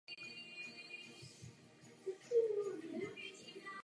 Pravděpodobně měl i systém uzamčení závěru negativní vliv na přesnost zbraně.